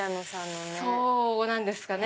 そうなんですかね。